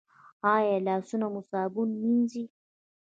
ایا لاسونه مو صابون مینځئ؟